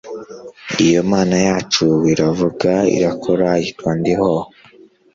iyo mana yacu iravuga irakora yitwa ndiho